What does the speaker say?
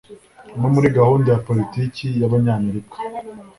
no muri gahunda ya politiki y'abanyamerika